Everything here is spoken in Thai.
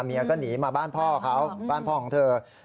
เมียก็หนีมาบ้านพ่อของเธอ